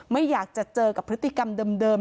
ไม่อยากจะเจอกับพฤติกรรมเดิม